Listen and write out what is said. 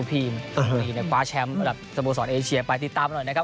ไปติดตามหน่อยนะครับ